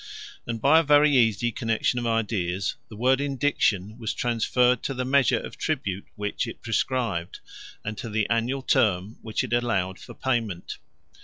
And by a very easy connection of ideas, the word indiction was transferred to the measure of tribute which it prescribed, and to the annual term which it allowed for the payment.